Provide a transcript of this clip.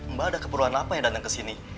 mbak ada keperluan apa yang datang ke sini